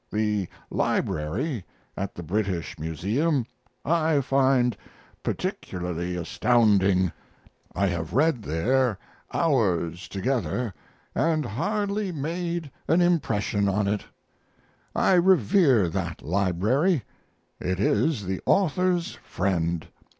] The Library at the British Museum I find particularly astounding. I have read there hours together, and hardly made an impression on it. I revere that library. It is the author's friend.